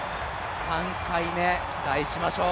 ３回目、期待しましょう。